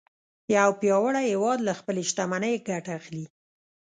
یو پیاوړی هیواد له خپلې شتمنۍ ګټه اخلي